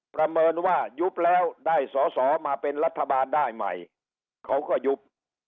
ประเมินว่ายุบแล้วได้สอสอมาเป็นรัฐบาลได้ใหม่เขาก็ยุบ